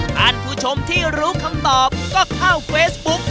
ท่านผู้ชมที่รู้คำตอบก็เข้าเฟซบุ๊ก